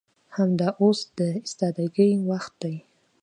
همدا اوس د استادګۍ وخت دى.